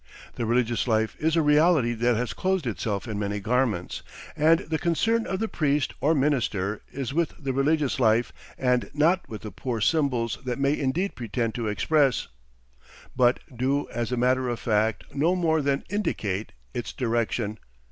The religious life is a reality that has clothed itself in many garments, and the concern of the priest or minister is with the religious life and not with the poor symbols that may indeed pretend to express, but do as a matter of fact no more than indicate, its direction.